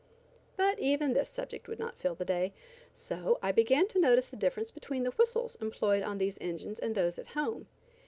But even this subject would not fill the day, so I began to notice the difference between the whistles employed on these engines and those at home.